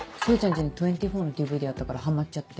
家に『２４』のＤＶＤあったからはまっちゃって。